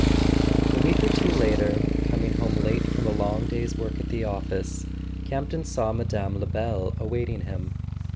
XV WEEK or two later, coming home late from a j[ V. long day's work at the office, Campton saw Mme. Lebel awaiting him.